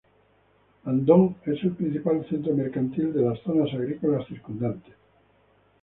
Andong es el principal centro mercantil de las zonas agrícolas circundantes.